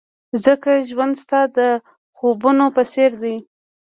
ځکه ژوند ستا د خوبونو په څېر دی.